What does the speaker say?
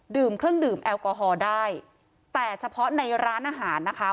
ดื่มเครื่องดื่มแอลกอฮอล์ได้แต่เฉพาะในร้านอาหารนะคะ